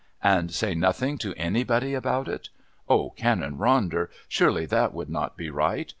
"And say nothing to anybody about it? Oh, Canon Ronder, surely that would not be right.